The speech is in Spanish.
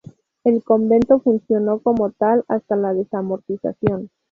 El Convento funcionó como tal hasta la Desamortización.